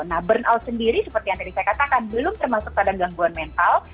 nah burnout sendiri seperti yang tadi saya katakan belum termasuk pada gangguan mental